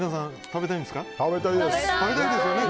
食べたいですよね。